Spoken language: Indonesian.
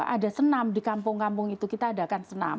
ada senam di kampung kampung itu kita adakan senam